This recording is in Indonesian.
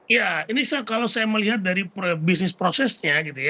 ya ini kalau saya melihat dari bisnis prosesnya gitu ya